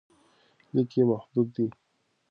لیک یې محدود دی.